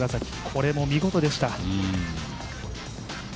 これも見事でした。